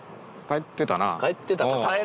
帰ってたか。